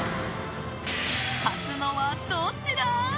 勝つのは、どっちだ？